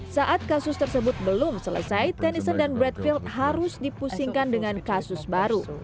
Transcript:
saat kasus tersebut belum selesai tennison dan bradfield harus dipusingkan dengan kasus baru